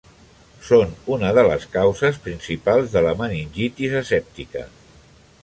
Són una de les causes principals de la meningitis asèptica.